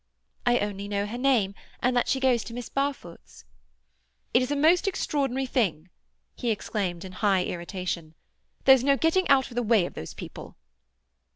"I only know her name, and that she goes to Miss Barfoot's." "It's a most extraordinary thing," he exclaimed in high irritation. "There's no getting out of the way of those people."